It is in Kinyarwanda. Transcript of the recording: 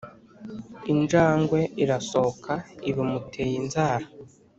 injangwe irasohoka iba imuteye inzara.